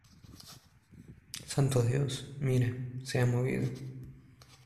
¡ santo Dios! mira, se ha movido.